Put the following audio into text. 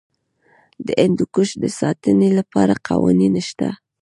د هندوکش د ساتنې لپاره قوانین شته.